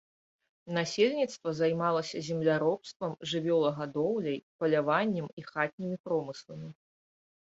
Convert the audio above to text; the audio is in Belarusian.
Насельніцтва займалася земляробствам, жывёлагадоўляй, паляваннем і хатнімі промысламі.